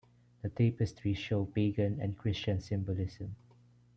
The tapestries show pagan and Christian symbolism.